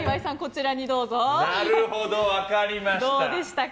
なるほど、分かりました。